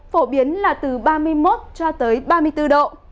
phổ biến là từ ba mươi một cho tới ba mươi bốn độ